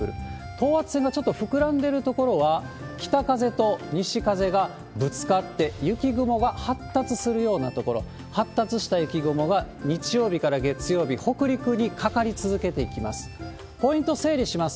等圧線がちょっと膨らんでる所は、北風と西風がぶつかって、雪雲が発達するような所、発達した雪雲が日曜日から月曜日、北陸にかかり続けていきます。